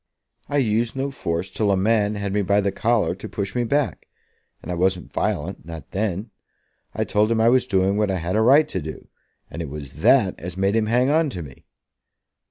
"I used no force till a man had me by the collar to push me back; and I wasn't violent, not then. I told him I was doing what I had a right to do, and it was that as made him hang on to me."